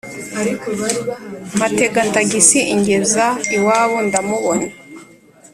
mpatega tagisi ingeza iwabo ndamubona ,